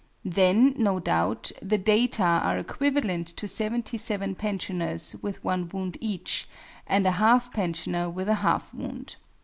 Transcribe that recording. Then, no doubt, the data are equivalent to 77 pensioners with one wound each, and a half pensioner with a half wound.